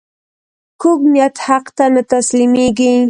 کوږ نیت حق ته نه تسلیمېږي